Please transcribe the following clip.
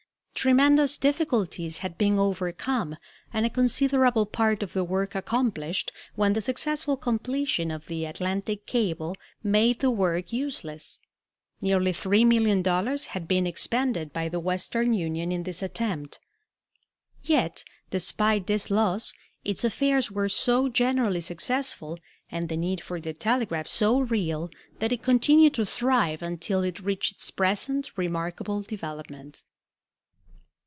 Tremendous difficulties had been overcome and a considerable part of the work accomplished when the successful completion of the Atlantic cable made the work useless. Nearly three million dollars had been expended by the Western Union in this attempt. Yet, despite this loss, its affairs were so generally successful and the need for the telegraph so real that it continued to thrive until it reached its present remarkable development.